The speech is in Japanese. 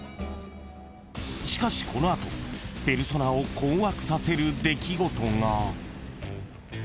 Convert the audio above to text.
［しかしこの後ペルソナを困惑させる出来事が］